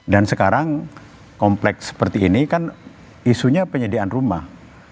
dan sekarang kompleks seperti ini kan isunya penyediaan rumah